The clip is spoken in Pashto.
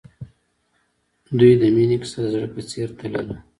د دوی د مینې کیسه د زړه په څېر تلله.